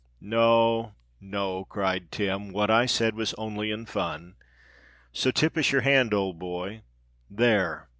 "No—no," cried Tim. "What I said was only in fun. So tip us your hand, old boy. There!